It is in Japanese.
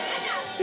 え？